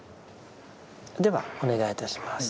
ではお願いいたします。